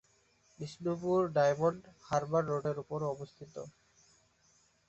বিষ্ণুপুর ডায়মন্ড হারবার রোডের উপর অবস্থিত।